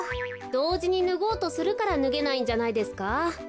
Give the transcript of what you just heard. どうじにぬごうとするからぬげないんじゃないですか？